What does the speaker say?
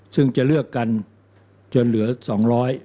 ซึ่งจะเลือกกันจนเหลือ๒๐๐คน